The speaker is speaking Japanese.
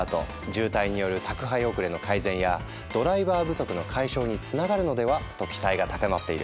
渋滞による宅配遅れの改善やドライバー不足の解消につながるのではと期待が高まっている。